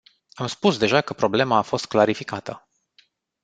Am spus deja că problema a fost clarificată.